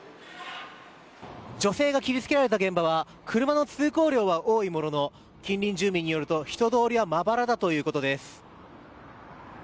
女性が切り付けられた現場は車の通行量は多いものの近隣住民によると人通りはまばらだということです。